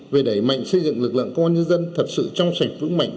về đẩy mạnh xây dựng lực lượng công an nhân dân thật sự trong sạch vững mạnh